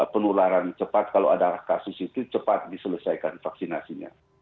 penularan cepat kalau ada kasus itu cepat diselesaikan vaksinasinya